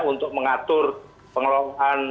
untuk mengatur pengelolaan